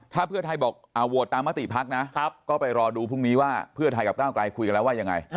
ถ้าเพื่อไทยบอกโหวตตามมติพักนะก็ไปรอดูพรุ่งนี้ว่าเพื่อไทยกับก้าวกลายคุยกันแล้วว่ายังไง